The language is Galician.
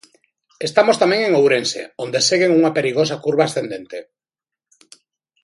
Estamos tamén en Ourense, onde seguen unha perigosa curva ascendente.